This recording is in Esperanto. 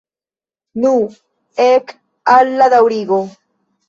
Nu, ek al la daŭrigo!